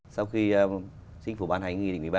sau khi chính phủ ban hành nghị định một mươi ba